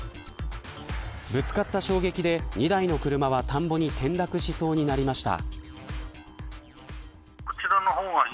ぶつかった衝撃で２台の車は、田んぼに転落しそうになりました。